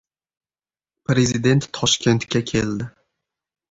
Prezident Toshkentga keldi